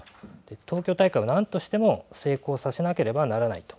東京大会をなんとしても成功させなければならないと。